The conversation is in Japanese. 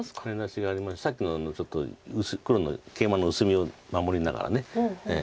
さっきのちょっと黒のケイマの薄みを守りながら。